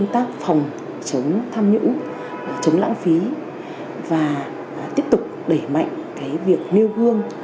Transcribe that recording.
tác phòng chống tham nhũng chống lãng phí và tiếp tục đẩy mạnh cái việc nêu gương